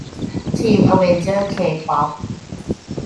ทีมอเวนเจอร์เคป๊อป